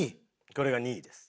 これが２位です。